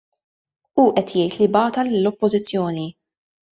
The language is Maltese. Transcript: Hu qed jgħid li bagħatha lill-Oppożizzjoni.